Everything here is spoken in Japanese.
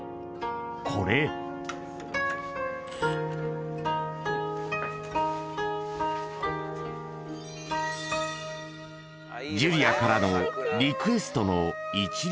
これジュリアからのリクエストの一輪